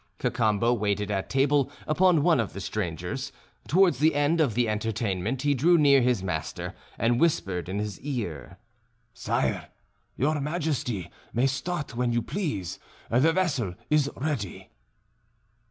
Cacambo waited at table upon one of the strangers; towards the end of the entertainment he drew near his master, and whispered in his ear: "Sire, your Majesty may start when you please, the vessel is ready."